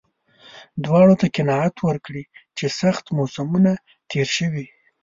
دواړو ته قناعت ورکړي چې سخت موسمونه تېر شوي.